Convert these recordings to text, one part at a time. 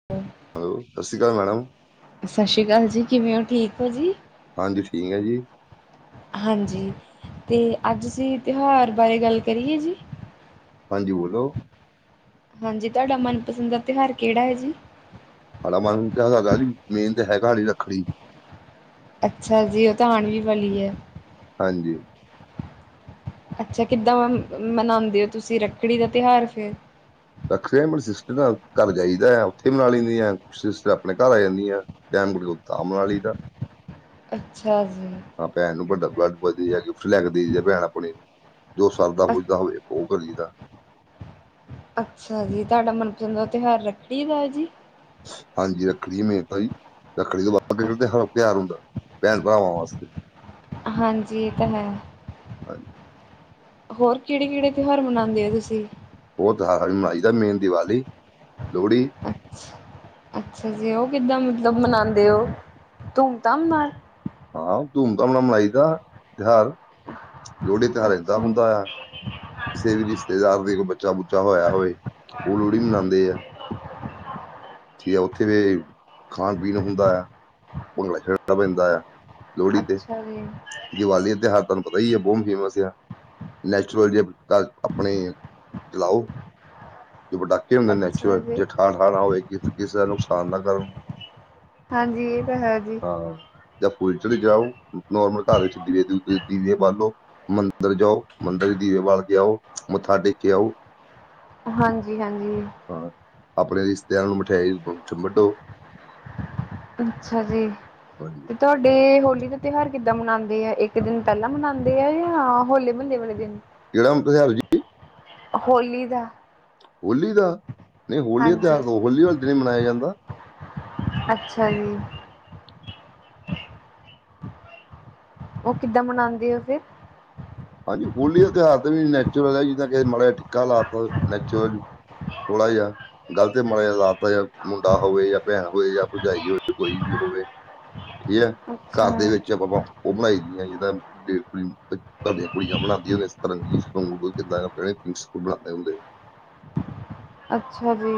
[inaudible] Hello, Sat Sri ਅਕਾਲ madam. Sat Sri ਅਕਾਲ ਜੀ, ਕਿਵੇਂ ਓ, ਠੀਕ ਹੋ ਜੀ? ਹਾਂਜੀ, ਠੀਕ ਹੈ ਜੀ। ਹਾਂਜੀ, ਤੇ ਅੱਜ ਅਸੀਂ ਤਿਉਹਾਰ ਬਾਰੇ ਗੱਲ ਕਰੀਏ ਜੀ। ਹਾਂਜੀ, ਬੋਲੋ। ਹਾਂਜੀ, ਤੁਹਾਡਾ ਮਨਪਸੰਦ ਦਾ ਤਿਉਹਾਰ ਕਿਹੜਾ ਹੈ ਜੀ? ਤੁਹਾਡਾ ਮਨ ਕਾ ਹੈਗਾ ਨਹੀਂ ਮੇਨ ਤੇ ਹੈਗਾ ਹੀ ਰੱਖੜੀ। ਅੱਛਾ ਜੀ ਉਹ ਤਾਂ ਆਣ ਵੀ ਵਾਲੀ ਹੈ। ਹਾਂਜੀ। ਅੱਛਾ, ਕਿੱਦਾ ਮਨਾਂਦੇ ਓ ਤੁਸੀਂ ਰੱਕੜੀ ਦਾ ਤਿਉਹਾਰ ਫਿਰ ਰੱਖੜੀਆਂ ਸਿਸਟਰ ਨਾਲ ਘਰ ਜਾਈਦਾ ਓਥੇ ਬਨਾ ਲਈ ਦੀਆਂ ਸਿਸਟਰ ਆਪਣੇ ਘਰ ਆ ਜਾਂਦੀਆਂ। ਟਾਈਮ ਖਲੋਤਾ ਅੰਬ ਵਾਲੀ ਦਾ ਅੱਛਾ ਜੀ। ਹਾਂ ਭੈਣ ਨੂੰ ਵੱਡਾ ਵਧੀਆ ਜਾ ਗਿਫਟ ਲੈਕੇ ਦੇਈ ਦਾ ਭੈਣ ਆਪਣੀ ਨੂੰ। ਦੋ ਸਾਲ ਦਾ ਅ- ਮੁੰਡਾ ਹੋਵੇ ਉਹ ਕਰੀ ਦਾ। ਅੱਛਾ ਜੀ, ਤੁਹਾਡਾ ਮਨਪਸੰਦ ਦਾ ਤਿਉਹਾਰ ਰੱਖੜੀ ਦਾ ਜੀ? ਹਾਂਜੀ ਰੱਖੜੀ [unintelligible] ਰੱਖੜੀ ਤੋਂ ਬਾਅਦ ਦਿਨ ਤਿਉਹਾਰ ਹੁੰਦਾ ਭੈਣ-ਭਰਾਵਾਂ ਵਾਸਤੇ ਹਾਂਜੀ ਇਹ ਤਾਂ ਹੈ। [unintelligible] ਹੋਰ ਕਿਹੜੇ ਕਿਹੜੇ ਤਿਉਹਾਰ ਮਨਾਂਦੇ ਓ, ਤੁਸੀਂ? ਉਹ ਤਾਂ ਮਨਾਈ ਦਾ ਮੇਨ ਦੀਵਾਲੀ ਲੋਹੜੀ। ਅੱਛਾ ਅੱਛਾ ਜੀ ਉਹ ਕਿੱਦਾਂ ਮਤਲਬ ਮਨਾਉਂਦੇ ਉਹ ਧੂਮਧਾਮ ਨਾਲ। ਹਾਂ ਧੂਮ ਧਾਮ ਨਾਲ ਮਨਾਈ ਦਾ ਤਿਉਹਾਰ। ਲੋੜੀ ਦਾ ਤਿਉਹਾਰ ਇਦਾਂ ਅੱਛਾ ਹੁੰਦਾ ਹੈ। ਕਿਸੇ ਵੀ ਰਿਸ਼ਤੇਦਾਰ ਦੇ ਕੋਈ ਬੱਚਾ ਬੁੱਚਾ ਹੋਇਆ ਹੋਵੇ ਉਹ ਲੋਹੜੀ ਮਨਾਉਂਦੇ ਆ। ਜੀ ਉਥੇ ਖਾਣ ਪੀਣ ਹੁੰਦਾ ਉਹਨੂੰ ਨੱਚਣਾ ਪੈਂਦਾ ਹੈ। ਲੋੜੀ, ਤੇ ਅੱਛਾ ਜੀ, ਦੀਵਾਲੀ ਦਾ ਤਿਉਹਾਰ ਤੁਹਾਨੂੰ ਪਤਾ ਈ ਏ ਬਹੁਤ ਫੇਮਸ ਆ। ਨੈਚੁਰਲ ਜੇ ਤੱਕ ਆਪਨੇ ਲਾਓ। ਜੋ ਪਟਾਕੇ ਹੁੰਦੇ ਅੱਛਾ ਨੈਚੁਰਲ ਜੀ, ਜੇ ਠਾਂ, ਠਾ ਨਾ ਹੋਏਗੀ, ਕਿਸੇ ਦਾ ਨੁਕਸਾਨ ਨਾ ਕਰੋ ਹਾਂਜੀ ਇਹ ਤਾਂ ਹੈ ਜੀ। ਜਾ ਫੁੱਲਚਲੀ ਜਲਾਓ, ਨੋਰਮਲ ਘੱਰ ਵਿੱਚ ਦੀਵੇ ਦੂਵ ਦੀਵੇ ਬਾਲੋ ਮੰ ਮੰਦਰ ਜਾਓ, ਮੰਦਰ ਚ ਦੀਵੇ ਵਾਲ ਕੇ ਆਓ, ਮੱਥਾ ਟੇਕ ਕੇ ਆਓ। ਹਾਂਜੀ, ਹਾਂਜੀ। ਹਾਂ ਆਪਣੇ ਰਿਸ਼ਤਦਾਰ ਨੂੰ ਮਿਠਾਈ ਵੰਡੋ। ਅੱਛਾ ਜੀ ਹਾਂਜੀ ਤੇ ਤੁਹਾਡੇ ਹੋਲੀ ਦਾ ਤਿਉਹਾਰ ਕਿੱਦਾਂ ਮਨਾਉਂਦੇ ਆ ਇੱਕ ਦਿਨ ਪਹਿਲਾਂ ਮਨਾਂਦੇ ਮਨਾਉਂਦੇ ਆ ਜਾਂ ਹੋਲੇ ਮਹੱਲੇ ਵਾਲੇ ਦਿਨ। ਜ [unintelligible] ਹੋਲੀ ਦਾ ਹੋਲੀ ਦਾ ਨਹੀਂ ਹੋਲੀ ਦਾ ਹਾਂਜੀ, ਤਿਉਹਾਰ ਹੋਲੀ ਵਾਲੇ ਦਿਨ ਮਨਾਇਆ ਜਾਂਦਾ। ਅੱਛਾ ਜੀ। ਓ ਕਿੱਦਾ ਮਨਾਂਦੇ ਹੈ ਫਿਰ? ਹਾਂਜੀ, ਹੋਲੀ ਦਾ ਤਿਉਹਾਰ ਦਾ ਵੀ ਨੈਚੁਰਲ ਹੈ ਜਿੱਦਾ ਕਿ ਮਾੜਾ ਟਿੱਕਾ ਲਾ ਤਾ ਨੈਚੁਰਲ ਥੋੜਾ ਜਿਹਾ ਗਲਤ ਮਾਇਆ ਲਾ ਤਾ ਹੈ ਮੁੰਡਾ ਹੋਵੇ ਜਾਂ ਭੈਣ ਹੋਵੇ ਜਾਂ ਭਰਜਾਈ ਹੋਵੇ ਕੋਈ ਵੀ ਹੋਵੇ। ਠੀਕ ਹੈ ਘੱਰ ਦੇ ਅੱਛਾ, ਵਿੱਚ ਆਪਾ, ਆਪਾ ਓ ਬਨਾਈ ਦੀ ਹੈ ਜਿੱਦਾ ਘਰ ਦੀ ਕੁੜੀਆਂ ਬਣਾਉਂਦੀਆਂ ਸਤਰੰਗੀ ਸੂਟ ਜਿੱਦਾਂ ਆਪਣੇ ਸਕੂਲ ਬਣਾਉਂਦੇ ਹੁੰਦੇ। ਅੱਛਾ ਜੀ,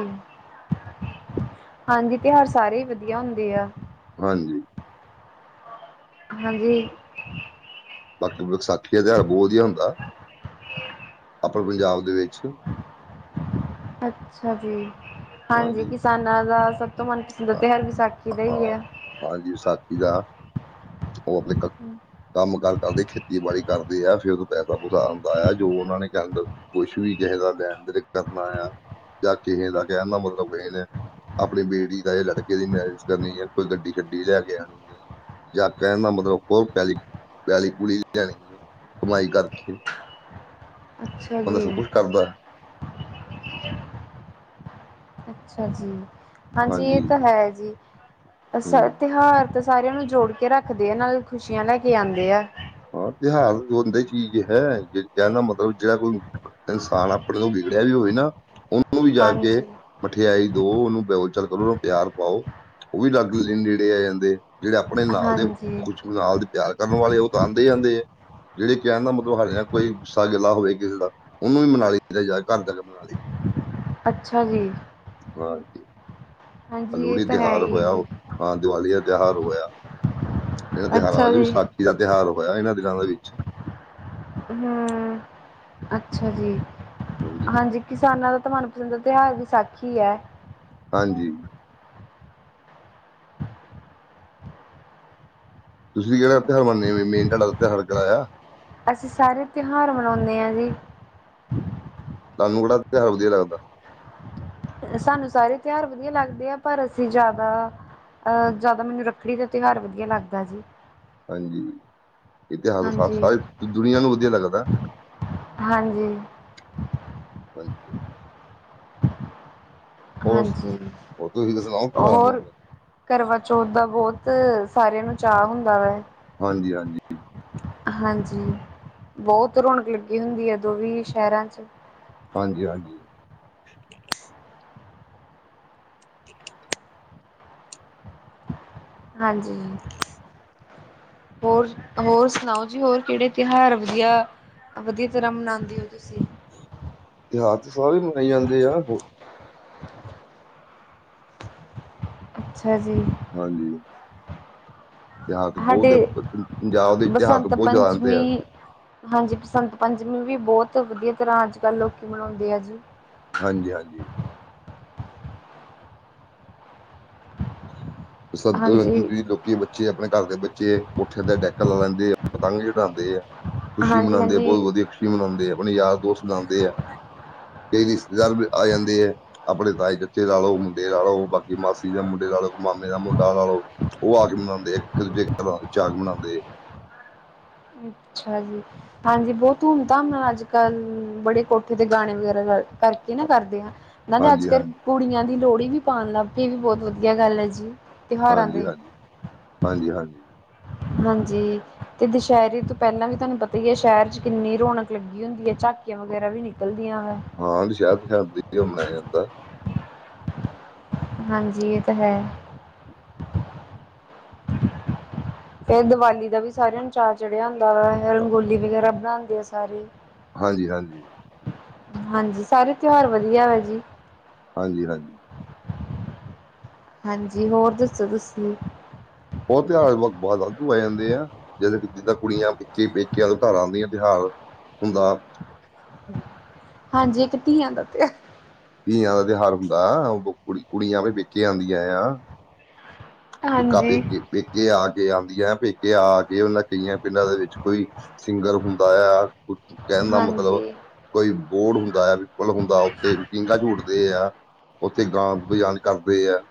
ਹਾਂਜੀ ਤਿਉਹਾਰ ਸਾਰੇ ਹੀ ਵਧੀਆ ਹੁੰਦੇ ਆ। ਹਾਂਜੀ। ਹਾਂਜੀ। ਬਾਕੀ ਵਿਸਾਖੀ ਦਾ ਤਿਆਰ ਬਹੁਤ ਵਧੀਆ ਹੁੰਦਾ, ਆਪਨੇ ਪੰਜਾਬ ਦੇ ਵਿੱਚ ਅੱਛਾ ਜੀ ਹਾਂਜੀ ਕਿਸਾਨਾਂ ਦਾ। ਤਾਂ ਮਨਪਸੰਦ ਹੈ ਤਿਉਹਾਰ ਹਰ ਵਿਸਾਖੀ ਦਾ ਹੀ ਹਾਂ ਹੈ। ਹਾਂਜੀ ਵਿਸਾਖੀ ਦਾ। ਉਹ ਆਪਦੇ ਘਰ ਕੰਮ ਕਾਰ ਕਰਦੇ, ਖੇਤੀਬਾੜੀ ਕਰਦੇ ਐ, ਫੇਰ ਉਹੋਂ ਪੈਸਾ ਪੂਸਾ ਆਉਂਦਾ ਐ, ਜੋ ਓਨਾਂ ਨੇ [unintelligible] ਕੁਛ ਵੀ ਕਿਸੇ ਦਾ ਲੈਨ-ਦੇਨ ਕਰਨਾ ਆ, ਜਾ ਕਿਸੇ ਦਾ ਕਹਿਨ ਦਾ ਮਤਲਬ ਕਿਸੇ ਨੇ ਆਪਣੀ ਬੇਟੀ ਦਾ ਜਾਂ ਲੜਕੇ ਦੀ ਮੈਰਿਜ ਕਰਨੀ, ਜਾਂ ਕੋਈ ਗੱਡੀ ਛੱਡੀ ਲੈ ਆਣੀ। ਹੈ ਜਾਂ ਕਹਿਣ ਦਾ ਮਤਲਬ ਹੋਰ ਪੈਲੀ ਪਿਆਲੀ ਪੂਲੀ ਲੈਣੀ ਐ ਕਮਾਈ ਕਰਕੇ। [unintelligible] ਬੰਦਾ ਸਬ ਕੁੱਛ ਕਰਦੈ। ਅੱਛਾ ਜੀ, ਹਾਂਜੀ ਇਹ ਤਾਂ ਹੈ ਜੀ, ਅ ਹੂੰ ਤਿਉਹਾਰ ਤਾਂ ਸਾਰਿਆਂ ਨੂੰ ਜੋੜ ਕੇ ਰੱਖਦੇ ਆ, ਨਾਲ ਖੁਸ਼ੀਆਂ ਲੈ ਕੇ ਆਉਂਦੇ ਆ। ਹਾਂ, ਤਿਉਹਾਰ ਬੰਦੇ ਚੀਜ਼ ਹੈ, ਕਹਿਣ ਦਾ ਮਤਲਬ ਜਿਹੜਾ ਕੋਈ ਇਨਸਾਨ ਆਪਣਿਆਂ ਤੋਂ ਵਿਗੜਿਆ ਵੀ ਹੋਵੇ ਨਾ, ਉਹਨੂੰ ਵੀ ਜਾ ਕੇ ਹਾਂਜੀ, ਮਠਿਆਈ ਦੋ ਉਹਨੂੰ ਬੋਲਚਾਲ ਕਰੋ। ਉਹਨੂੰ ਪਿਆਰ ਪਾਓ, ਉਹ ਵੀ ਨੇੜੇ ਆ ਜਾਂਦੇ। ਜਿਹੜੇ ਆਪਣੇ ਨਾਲ ਦੇ, ਹਾਂਜੀ ਖੁਸ਼ ਨਾਲ ਦੇ ਪਿਆਰ ਕਰਨ ਵਾਲੇ ਉਹ ਤਾਂ ਆਂਦੇ ਹੀ ਆਂਦੇ ਆ। ਜਿਹੜੇ ਕਹਿਣ ਦਾ ਮਤਲਬ ਹਲੇ ਨਾ ਦਾ ਕੋਈ ਗੁੱਸਾ ਗਿੱਲਾ ਹੋਵੇ ਕਿਸੇ ਦਾ, ਉਹਨੂੰ ਵੀ ਮਨਾ ਲਈ ਦਾ ਘਰ ਜਾ ਕੇ ਮਨਾ ਲੀ। ਅੱਛਾ ਜੀ ਹਾਂਜੀ, ਹਾਂਜੀ ਇਹ ਲੋਹੜੀ ਤਾਂ ਹੈ ਤਿਉਹਾਰ ਹੀ ਹੈ ਹੋਇਆ ਜੀ, ਉਹ ਹਾਂ, ਦੀਵਾਲੀ ਦਾ ਤਿਉਹਾਰ ਹੋਇਆ। ਇਹ ਤਿਉਹਾਰ ਅੱਛਾ ਹਜੇ ਜੀ, ਵੀ ਦਾ ਤਿਉਹਾਰ ਹੋਇਆ ਇਹਨਾਂ ਦਿਨਾਂ ਦੇ ਵਿੱਚ। ਹੂੰ, ਅੱਛਾ ਜੀ, ਹਾਂਜੀ। ਕਿਸਾਨਾਂ ਦਾ ਤਾਂ ਮਨਪਸੰਦ ਤਿਹਾਰ ਵਿਸਾਖੀ ਐ। ਹਾਂਜੀ ਤੁਸੀਂ ਕਿਹੜਾ ਤਿਉਹਾਰ ਮੰਨੇ ਹੋ ਮੇਨ ਤੁਹਾਡਾ ਤਿਉਹਾਰ ਕਿਹੜਾ ਆ? ਅਸੀਂ ਸਾਰੇ ਤਿਉਹਾਰ ਮਨਾਉਂਨੇ ਆ ਜੀ। ਤੁਹਾਨੂੰ ਕਿਹੜਾ ਤਿਉਹਾਰ ਵਧੀਆ ਲਗਦਾ? ਸਾਨੂੰ ਸਾਰੇ ਤਿਉਹਾਰ ਵਧੀਆ ਲੱਗਦੇ ਆ, ਪਰ ਅਸੀਂ ਜ਼ਾਦਾ ਅਹ ਜ਼ਾਦਾ ਮੈਨੂੰ ਰੱਖੜੀ ਦਾ ਤਿਉਹਾਰ ਵਧੀਆ ਲੱਗਦਾ ਜੀ। ਹਾਂਜੀ, ਇਤਿਹਾਸ ਦਾ ਸਾਫ਼ ਹਾਂਜੀ, ਸਾਰੀ ਦੁਨੀਆਂ ਨੂੰ ਵਧੀਆ ਲੱਗਦਾ। ਹਾਂਜੀ ਬਾਈ ਕੇ ਹੋਰ ਹਾਂਜੀ, ਹੋਰ ਤੁਸੀਂ ਤਾਂ ਸੁਣਾਓ ਤਿਉਹਾਰ ਦਾ ਹੋਰ ਕਰਵਾਚੌਥ ਦਾ ਬੋਤ ਸਾਰਿਆਂ ਨੂੰ ਚਾਅ ਹੁੰਦਾ ਵਾ। ਹਾਂਜੀ-ਹਾਂਜੀ। ਹਾਂਜੀ, ਬਹੁਤ ਰੌਣਕ ਲੱਗੀ ਹੁੰਦੀ ਹੈ ਉਦੋਂ ਵੀ ਸ਼ਹਿਰਾਂ ਚ। ਹਾਂਜੀ-ਹਾਂਜੀ। ਹਾਂਜੀ। ਹੋਰ, ਹੋਰ ਸੁਣਾਓ ਜੀ। ਹੋਰ ਕਿਹੜੇ ਤਿਉਹਾਰ ਵਧੀਆ? ਵਧੀਆ ਤਰ੍ਹਾਂ ਮਨਾਂਦੇ ਹੋ ਤੁਸੀਂ। ਤਿਉਹਾਰ ਤੇ ਸਭ ਵੀ ਮਨਾਏ ਜਾਂਦੇ ਆ। ਹੋ। [inaudible] [inaudible] ਅੱਛਾ ਜੀ। ਹਾਂਜੀ। ਤਿਉਹਾਰ ਤਾਂ ਬਹੁਤ ਆ, ਸਾਡੇ ਪ- ਪੰ- ਪੰਜਾਬ ਦੇ ਤਿਉਹਾਰ ਤਾਂ ਬਸੰਤ ਬਹੁਤ ਜ਼ਿਆਦਾ ਆਉਂਦੇ ਆ ਪੰਚਮੀਂ ਹਾਂਜੀ, ਬਸੰਤ ਪੰਚਮੀ ਵੀ ਬਹੁਤ ਵਧੀਆ ਤਰ੍ਹਾਂ ਅੱਜ-ਕੱਲ੍ਹ ਲੋਕੀ ਮਨਾਉਂਦੇ ਆ ਜੀ। ਹਾਂਜੀ-ਹਾਂਜੀ। ਹਾਂਜੀ, ਕੀ ਲੋਕੀ [unintelligible] ਦੇ, ਆਪਣੇ ਘਰ ਦੇ ਬੱਚੇ, ਕੋਠੇ ਤੇ ਡੈਕ ਲਾ ਲੈਂਦੇ ਆ। [inaudible] ਪਤੰਗ ਚੜਾਉਂਦੇ। ਖੁਸ਼ੀ ਹਾਂਜੀ, ਮਨਾਂਦੇ ਆ, ਬਹੁਤ ਹਾਂਜੀ ਵਧੀਆ ਖੁਸ਼ੀ ਮਨਾਂਦੇ ਆ, ਆਪਣੇ ਯਾਰ ਦੋਸਤ ਮਨਾਂਦੇ ਆ। ਕਈ ਰਿਸ਼ਤੇਦਾਰ ਵੀ ਆ ਜਾਂਦੇ ਹੈ। ਆਪਣੇ ਤਾਏ-ਚਾਚੇ ਲਾ ਲੋ, ਮੁੰਡੇ ਲਾ ਲੋ, ਬਾਕੀ ਮਾਸੀ ਜਾਂ ਮੁੰਡੇ ਲਾ ਲੋ। ਮਾਮੇ ਦਾ ਮੁੰਡਾ ਲਾ ਲੋ, ਉਹ ਆ ਕੇ ਮਨਾਂਦੇ ਇੱਕ ਦੂਜੇ ਘਰ ਚਾਅ ਆ ਕੇ ਮਨਾਂਦੇ ਆ। ਅੱਛਾ ਜੀ। ਹਾਂਜੀ, ਬਹੁਤ ਧੂਮ ਧਾਮ ਨਾਲ ਅੱਜ ਕੱਲ ਬੜੇ ਕੋਠੇ ਤੇ ਗਾਣੇ ਵਗੈਰਾ ਕਿ ਨਾ ਕਰਦੇ ਆ ਨਾ, ਤੇ ਹਾਂਜੀ ਅੱਜ-ਕੱਲ ਹਾਂਜੀ ਕੁੜੀਆਂ ਦੀ ਲੋਹੜੀ ਵੀ ਪਾਣ ਲੱਗ ਪਏ, ਇਹ ਵੀ ਬਹੁਤ ਵਧੀਆ ਗੱਲ ਐ ਜੀ। ਤਿਉਹਾਰਾਂ ਦੇ ਹਾਂਜੀ-ਹਾਂਜੀ, ਹਾਂਜੀ-ਹਾਂਜੀ। ਹਾਂਜੀ, ਤੇ ਦੁਸਹਿਰੇ ਤੋਂ ਪਹਿਲਾਂ ਵੀ ਤੁਹਾਨੂੰ ਪਤਾ ਈ ਐ, ਸ਼ਹਿਰ ਚ ਕਿੰਨੀ ਰੌਣਕ ਲੱਗੀ ਹੁੰਦੀ ਐ, ਝਾ ਝਾਕੀਆਂ ਵਗੈਰਾ ਵੀ ਨਿਕਲਦੀਆਂ ਫੇਰ। ਹਾਂ, ਵੀ ਸ਼ਹਿਰ-ਸ਼ਹਿਰ ਦੀ ਘੁੰਮਿਆ ਜਾਂਦਾ। ਹਾਂਜੀ, ਇਹ ਤਾਂ ਹੈ। ਫਿਰ, ਦੀਵਾਲੀ ਦਾ ਵੀ ਸਾਰਿਆਂ ਨੂੰ ਚਾਅ ਚੜਿਆ ਹੁੰਦਾ ਵਾ। ਰੰਗੋਲੀ ਵਗੈਰਾ ਬਣਾਉਂਦੇ ਆ ਸਾਰੇ। ਹਾਂਜੀ-ਹਾਂਜੀ। ਹਾਂਜੀ, ਸਾਰੇ ਤਿਉਹਾਰ ਵਧੀਆ ਵਾ ਜੀ। ਹਾਂਜੀ-ਹਾਂਜੀ। ਹਾਂਜੀ, ਹੋਰ ਦੱਸੋ ਤੁਸੀਂ। ਬਹੁਤ ਤਿਹਾਰ ਬਹੁਤ ਵਾਧੂ ਆ ਜਾਂਦੇ ਆ। ਜਦੋਂ ਜਿੱਦਾਂ ਕੁੜੀਆਂ ਵਿੱਚੀ ਪੇਕਿਆਂ ਤੋਂ ਘਰ ਆਂਦੀਆਂ ਤਿਉਹਾਰ ਹੁੰਦਾ ਹਾਂਜੀ, ਧੀਆਂ ਦਾ ਤੇ ਧੀਆਂ ਦਾ ਤਿਉਹਾਰ ਹੁੰਦਾ, ਓਹ ਕੁ ਕੁੜੀਆਂ ਵੀ ਪੇਕੇ ਆਂਦੀਆਂ ਆ। ਕਾਫੀ ਹਾਂਜੀ, ਪੇਕੇ-ਪੇਕੇ ਆ ਕੇ ਆਉਂਦੀਆਂ, ਪੇਕੇ ਆ ਕੇ ਉਹਨਾਂ ਕਈਆਂ ਪਿੰਡਾਂ ਦੇ ਵਿੱਚ ਕੋਈ ਸਿੰਗਰ ਹੁੰਦਾ ਆ। ਕੁ ਕਹਿਣ ਦਾ ਮਤਲਬ, ਹਾਂਜੀ, ਕੋਈ ਬੋਰਡ ਹੁੰਦਾ ਆ, ਪਿੱਪਲ ਹੁੰਦਾ, ਉੱਥੇ ਪੀਂਘਾ ਝੂਟਦੇ ਆ। ਉੱਥੇ ਗਾਂ ਬੁਝਾਨ ਕਰਦੇ ਆ।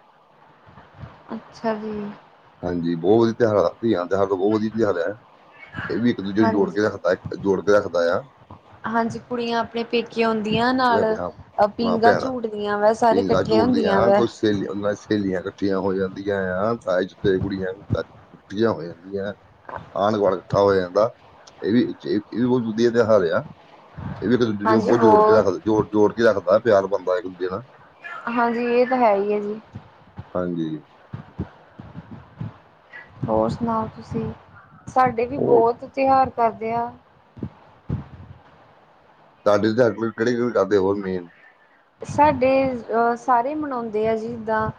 ਅੱਛਾ ਜੀ ਹਾਂਜੀ, ਬਹੁ ਵਧੀਆ ਤਿਉਹਾਰ ਆਪੀ ਆਂਦਾ, ਬਹੁ ਵਧੀਆ ਤਿਉਹਾਰ ਐ। ਇਹ ਵੀ ਇੱਕ ਦੂਜੇ ਨੂੰ ਜੋੜ ਕੇ ਹਾਂਜੀ। ਰੱਖਦਾ ਐ, ਜੋੜ ਕੇ ਰੱਖਦਾ ਆ। ਹਾਂਜੀ ਕੁੜੀਆਂ ਆਪਣੇ ਪੇਕੇ ਆਉਂਦੀਆਂ ਉਹਨਾਂ ਨਾਲ ਦੇ ਹਾਂ ਹਾਂ ਪੀਂਘਾਂ ਭੈਣਾਂ ਝੂਟਦੀਆਂ ਵੈਸੇ ਸਾਰੇ ਕੱਠੀਆਂ ਹੁੰਦੀਆਂ ਵੈ। ਸਹੇਲੀਆਂ ਉਹ ਨਾਲ ਸਹੇਲੀਆਂ ਕੱਠੀਆਂ ਹੋ ਜਾਂਦੀਆਂ ਆ, ਥਾਈ ਚ। ਤੇ ਕੁੜੀਆਂ ਤਾਂ ਉੱਠੀਆਂ ਹੋ ਜਾਂਦੀਆਂ ਐ। ਆਂਢ ਗੁਆਂਢ ਇਕੱਠਾ ਹੋ ਜਾਂਦਾ। ਇਹ ਵੀ [unintelligible] ਬਹੁਤ ਵਧੀਆ ਤਿਉਹਾਰ ਆ। ਇਹ ਵੀ ਇੱਕ ਦੂਜੇ ਨੂੰ ਹਾਂਜੀ ਬਹੁ ਜੋੜ ਕੇ ਬਹੁਤ, ਰੱਖਦਾ, ਜੋੜ-ਜੋੜ ਕੇ ਰੱਖਦਾ, ਪਿਆਰ ਬਣਦਾ ਇੱਕ ਦੂਜੇ ਨਾਲ। ਹਾਂਜੀ, ਇਹ ਤਾਂ ਹੈ ਈ ਐ ਜੀ। ਹਾਂਜੀ। ਹੋਰ ਸੁਣਾਓ ਤੁਸੀਂ, ਸਾਡੇ ਵੀ ਹੋਰ ਬਹੁਤ ਤਿਉਹਾਰ ਕਰਦੇ ਆ। ਤੁਡਡੀ ਕਿਹੜੀ ਕਿਹੜ ਕਰਦੇ ਹੋਰ? ਮੇਨ [unintelligible] ਸਾਡੇ ਅਹ ਸਾਰੇ ਮਨਾਉਂਦੇ ਆ ਜੀ ਇੱਦਾਂ।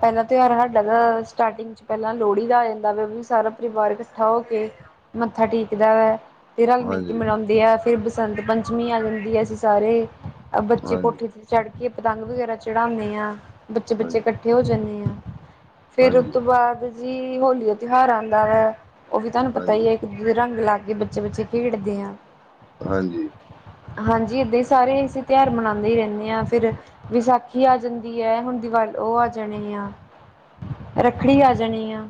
ਪਹਿਲਾ ਤਿਉਹਾਰ ਸਾਡਾ ਤਾਂ, ਸਟਾਰਟਿੰਗ ਪਹਿਲਾਂ ਲੋਹੜੀ ਦਾ ਆ ਜਾਂਦਾ ਵਾ ਉਹ ਵੀ ਸਾਰਾ ਪਰਿਵਾਰ ਇਕੱਠਾ ਹੋ ਕੇ, ਮੱਥਾ ਟੇਕਦਾ ਵਾ। ਤੇ ਰਲ ਮਿਲ ਕੇ ਹਾਂਜੀ ਮਨਾਉਂਦੇ ਆ, ਫਿਰ ਬਸੰਤ ਪੰਚਮੀ ਆ ਜਾਂਦੀ ਐ, ਅਸੀਂ ਸਾਰੇ ਬੱਚੇ ਹਾਂਜੀ ਕੋਠੇ 'ਚ ਚੜ੍ਹ ਕੇ ਪਤੰਗ ਵਗੈਰਾ ਚੜਾਨੇ ਆ, ਬੱਚੇ-ਬੱਚੇ ਕ ਹਾਂਜੀ ਇਕੱਠੇ ਹੋ ਜਾਂਦੇ ਹਾਂ, ਫੇਰ ਹਾਂਜੀ ਉਸਤੋ ਬਾਅਦ ਜੀ ਹੋਲੀ ਦਾ ਤਿਉਹਾਰ ਆਉਂਦਾ ਹੈ। ਉਹ ਵੀ ਤੁਹਾਨੂੰ ਪਤਾ ਹੀ ਹਾਂਜੀ ਹੈ ਇੱਕ-ਦੂਜੇ ਦੇ ਰੰਗ ਲਾ ਕੇ ਬੱਚੇ-ਬੱਚੇ ਖੇਡਦੇ ਆ। ਹਾਂਜੀ। ਹਾਂਜੀ ਏਦਾਂ ਹੀ ਸਾਰੇ ਅਸੀਂ ਤਿਉਹਾਰ ਮਨਾਉਂਦੇ ਹੀ ਰਹਿੰਦੇ ਹਾਂ। ਯਾਂ ਫਿਰ ਵਿਸਾਖੀ ਆ ਜਾਂਦੀ ਹੈ। ਹੁਣ ਦੀਵਾਲ ਉਹ ਆ ਜਾਣੇ ਆ। ਰੱਖੜੀ ਆ ਜਾਣੀ ਆ।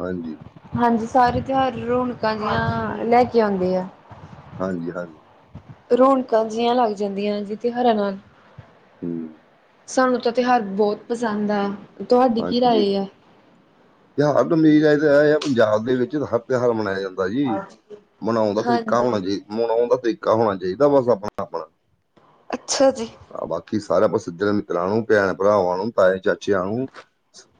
ਹਾਂਜੀ। ਹਾਂਜੀ, ਸਾਰੇ ਤਿਉਹਾਰ ਰੌਣਕਾਂ ਜਿਆਂ ਲੈ ਕੇ ਆਉਂਦਿਆ। ਹਾਂਜੀ-ਹਾਂਜੀ। ਰੌਣਕਾਂ ਜਿਹੀਆਂ ਲੱਗ ਜਾਂਦੀਆਂ ਜਿ ਤਿਉਹਾਰਾਂ ਨਾਲ। ਹੂੰ ਸਾਨੂੰ ਤਾਂ ਤਿਉਹਾਰ ਬਹੁਤ ਪਸੰਦ ਆ ਤੁਹਾਡੀ ਕੀ ਰਾਏ ਆ? ਤੇ ਹਰਡਮੀਜ਼ ਪੰਜਾਬ ਦੇ ਵਿੱਚ ਹਰ [unintelligible] ਤਿਉਹਾਰ ਮਨਾਇਆ ਜਾਂਦਾ ਜੀ। ਮਨਾਉਣ ਦਾ ਤਰੀਕਾ ਹੋਣਾ ਹਾਂਜੀ ਚਾਹੀਦਾ। ਮਨਾਉਣ ਦਾ ਤਰੀਕਾ ਹੋਣਾ ਚਾਹੀਦਾ ਬਸ ਆਪਣੋ- ਆਪ। ਅੱਛਾ ਜੀ। ਬਾਕੀ ਸਾਰਾ ਸੱਜ ਮਿੱਤਰਾਂ ਨੂੰ, ਭੈਣ, ਭਰਾਵਾਂ ਨੂੰ ਤਾਏ, ਚਾਚੇ ਆ ਨੂੰ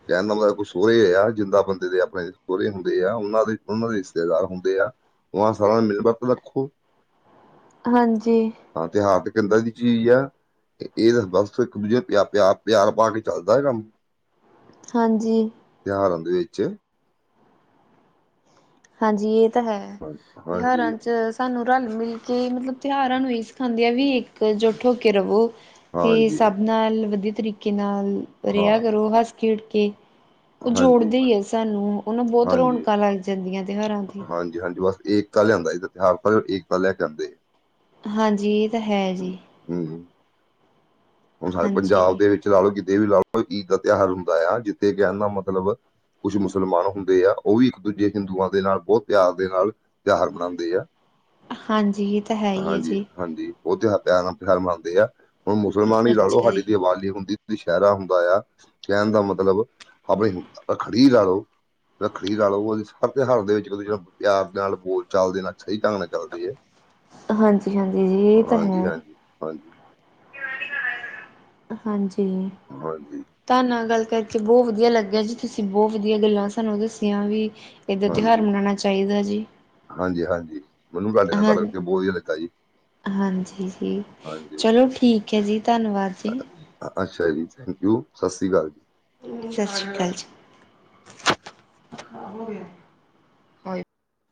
ਕਹਿਣ ਦਾ ਮਤਲਬ ਸੋਹਰੇ ਆ ਜਿੰਦਾਂ ਬੰਦੇ ਦੇ ਆਪਣੇ ਸਹੁਰੇ ਹੁੰਦੇ ਆ, ਉਹਨਾਂ ਦੇ ਉਹਨਾਂ ਦੇ ਰਿਸ਼ਤੇਦਾਰ ਹੁੰਦੇ ਆ। ਉਹ ਸਾਰਾ ਮਿਲ-ਬਕੁ ਰੱਖੂ। ਹਾਂਜੀ। ਹਾਂ, ਤੇ ਹਾਰਢ ਕਹਿੰਦਾ ਕੀ ਹੈ? ਇਹ ਤਾਂ ਬਸ ਇੱਕ ਦੂਜੇ ਨੂੰ ਪਿਆਰ-ਪਿਆਰ ਪਾ ਕੇ ਚੱਲਦਾ ਕੰਮ। ਹਾਂਜੀ। ਤਿਉਹਾਰਾਂ ਦੇ ਵਿੱਚ ਹਾਂਜੀ, ਇਹ ਤਾਂ ਹੈ ਹਾਂ- ਤਿਉਹਾਰਾਂ ਹਾਂਜੀ ਚ ਸਾਨੂੰ ਰਲ-ਮਿਲ ਕੇ ਮਤਲਬ ਤਿਉਹਾਰਾਂ ਨੂੰ ਇਹੀ ਸਿਖਾਉਂਦੇ ਆ ਵੀ ਇੱਕ ਜੁੱਟ ਹੋ ਕੇ ਰਵੋ। ਤੇ ਹਾਂਜੀ ਸਭ ਨਾਲ ਵਧੀਆ ਤਰੀਕੇ ਨਾਲ ਹਾਂ ਰਿਹਾ ਕਰੋ ਹੱਸ-ਖੇਡ ਕੇ। ਉਹ ਹਾਂਜੀ ਜੋੜਦਗ ਹੀ ਹੈ ਸਾਨੂੰ ਉਹਨੂੰ ਬਹੁਤ ਰੌਣਕਾਂ ਲੱਗ ਜਾਂਦੀਆਂ ਤਿਉਹਾਰਾਂ ਦੀ। ਹਾਂਜੀ-ਹਾਂਜੀ, ਬਸ ਏਕਤਾ ਲਿਆਂਦਾ, ਇਹਦ ਤਉਹਾਰ ਏਕਤਾ ਲੈ ਕੇ ਆਂਦੇ। ਹਾਂਜੀ, ਇਹ ਤਾਂ ਹੈ ਜੀ। ਹੂੰ। ਹੁਣ ਸਾਡੇ ਪੰਜਾਬ ਹਾਂਜੀ। ਦੇ ਵਿੱਚ ਲਾ ਲਓ, ਕਿਤੇ ਵੀ ਲਾ ਲਓ ਈਦ ਦਾ ਤਿਉਹਾਰ ਹੁੰਦਾ ਆ, ਜਿੱਥੇ ਕਹਿਦਾ ਮਤਲਬ ਕੁਝ ਮੁਸਲਮਾਨ ਹੁੰਦੇ ਆ ਉਹ ਵੀ ਇੱਕ-ਦੂਜੇ ਹਿੰਦੂਆਂ ਦੇ ਨਾਲ ਬਹੁਤ ਪਿਆਰ ਦੇ ਨਾਲ ਤਿਉਹਾਰ ਮਨਾਉਂਦੇ ਆ, ਹਾਂਜੀ ਇਹ ਤਾਂ ਹੈ ਹੀ ਹੈ ਜੀ ਹਾਂਜੀ-ਹਾਂਜੀ। ਬਹੁਤ ਪਿਆਰ ਨਾਲ ਤਿਓਹਾਰ ਮਨਾਉਂਦੇ ਆ, ਹੁਣ ਮੁਸਲਮਾਨ ਹੀ ਅੱਛਾ ਲਾੜੋ ਸਾਡੀ ਜੀ। ਦੀ ਆਬਜ਼ੀ ਹੁੰਦੀ ਦਸ਼ੈਹਿਰਾ ਹੁੰਦਾ ਆ, ਕਹਿਣ ਦਾ ਮਤਲਬ ਆਪਣੀ ਰੱਖੜੀ ਲਾ ਲਓ। ਰੱਖੜੀ ਲਾਲੋ ਉਹਦੇ ਹਰ ਤਿਉਹਾਰ ਦੇ ਵਿੱਚ ਪਿਆਰ ਦੇ ਨਾਲ ਬੋਲ ਚਾਲਦੇ ਨਾਲ ਸਹੀ ਢੰਗ ਨਾਲ ਚੱਲਦੇ ਹੈ। ਹਾਂਜੀ-ਹਾਂਜੀ, ਜੀ ਇਹ ਤਾਂ ਹਾਂਜੀ ਹੈ। ਹਾਂਜੀ ਹਾਂਜੀ। ਹਾਂਜੀ। ਬਸ ਜੀ। ਤੁਹਨ ਨਾਲ ਗੱਲ ਕਰਕੇ ਬਹੁਤ ਵਧੀਆ ਲੱਗਿਆ ਜੀ, ਤੁਸੀਂ ਬਹੁਤ ਵਧੀਆ ਗੱਲਾਂ ਸਾਨੂੰ ਦੱਸੀਆਂ ਵੀ। ਇੱਦਾਂ ਤਿਉਹਾਰ ਮਨਾਉਣਾ ਚਾਹੀਦਾ ਜੀ। ਹਾਂਜੀ-ਹਾਂਜੀ। ਹਾਂ-ਹਾਂਜੀ, ਜੀ ਹਾਂਜੀ ਚਲੋ ਠੀਕ ਹੈ ਜੀ, ਧੰਨਵਾਦ ਜੀ। ਅੱਛਾ ਜੀ, ਥੈਂਕ ਯੂ, ਸਤਿ ਸ਼੍ਰੀ ਅਕਾਲ ਜੀ। ਸਤਿ ਸ਼੍ਰੀ ਅਕਾਲ ਜੀ।